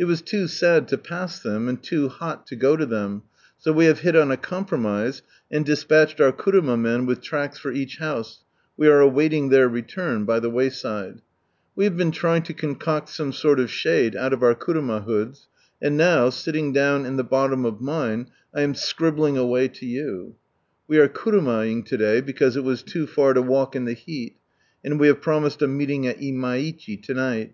It was too sad to puB tben, and too bot to go to ibcm, so we have hit on a compromise and de ■ paliAcd oar knrama men with tracts for eacb boose, we awaiting their rctmn, by tbe wayiide. We have been 11711^ to concoct some son of shade out of oar karonn boods, and now, siting down in die botUxn of mine, 1 am sciibUiiig awaf 10 f on. We are knmmaing t&dajr, because it was too Cir to wail: in the beat, xnd we have promised a meeiiog ai InKikhi to nigbt.